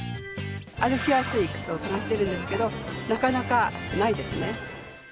歩きやすい靴を探してるんですけどなかなかないですね。